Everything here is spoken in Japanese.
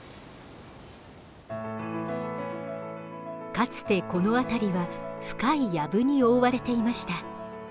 かつてこの辺りは深いやぶに覆われていました。